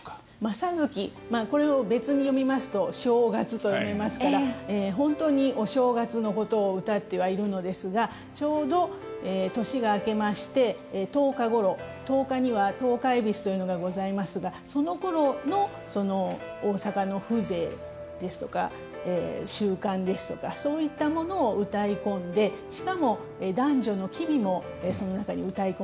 正月これを別に読みますと正月と読みますから本当にお正月のことを歌ってはいるのですがちょうど年が明けまして十日ごろ十日には十日戎というのがございますがそのころの大阪の風情ですとか習慣ですとかそういったものをうたい込んでしかも男女の機微もその中にうたい込まれているということです。